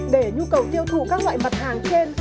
để nhu cầu tiêu thụ các loại mặt hàng trên